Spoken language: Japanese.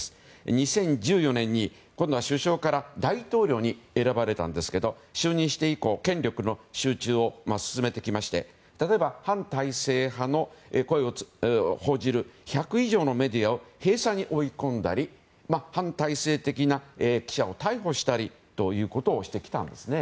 ２０１４年に首相から大統領に選ばれたんですが就任して以降権力の集中を進めてきまして例えば、反体制派の声を報じる１００以上のメディアを閉鎖に追い込んだり反体制的な記者を逮捕したりということをしてきたんですね。